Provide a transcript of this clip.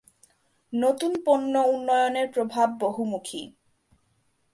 নতুন পণ্য উন্নয়নের প্রভাব বহুমুখী।